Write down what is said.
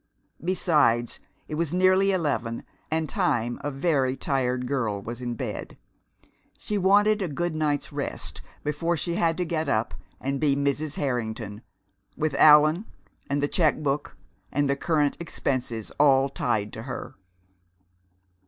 Besides, it was nearly eleven and time a very tired girl was in bed. She wanted a good night's rest, before she had to get up and be Mrs. Harrington, with Allan and the check book and the Current Expenses all tied to her.